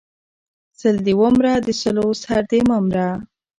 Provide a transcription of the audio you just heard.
سل دې ومره د سلو سر دې مه مره!